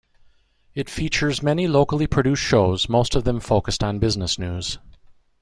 It features many locally produced shows, most of them focused on business news.